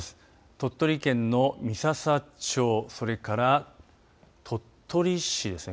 鳥取県の三朝町それから、鳥取市ですね